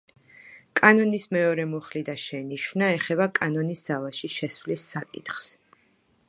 კანონის მეორე მუხლი და შენიშვნა ეხება კანონის ძალაში შესვლის საკითხს.